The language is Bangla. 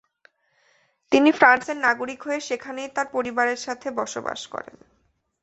তিনি ফ্রান্সের নাগরিক হয়ে সেখানেই তার পরিবারের সাথে বসবাস করেন।